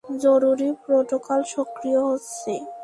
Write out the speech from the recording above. জরুরী প্রোটোকল সক্রিয় হচ্ছে।